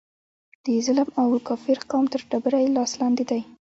د ظلم او کافر قوم تر ډبره یې لاس لاندې دی.